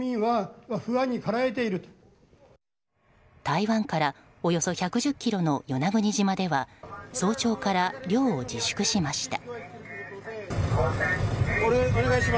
台湾からおよそ１１０ｋｍの与那国島では早朝から漁を自粛しました。